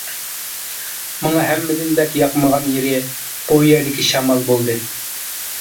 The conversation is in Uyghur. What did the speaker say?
ماڭا ھەممىدىن بەك ياقمىغان يېرى بۇ يەردىكى شامال بولدى.